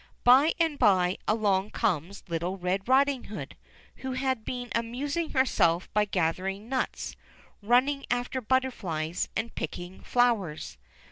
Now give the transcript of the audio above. By and by along comes little Red Riding Hood, who had been amusing herself by gathering nuts, running after butterflies, and picking flowers.